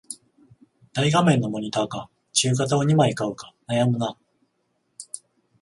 大画面のモニタか中型を二枚買うか悩むな